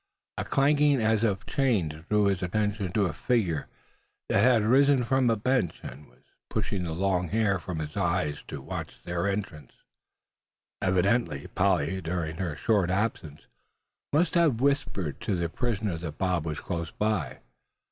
A clanking as of a chain drew his attention to a figure that had arisen from a bench, and was pushing the long hair from his eyes to watch their entrance. Evidently Polly during her short absence must have whispered to the prisoner that Bob was close by.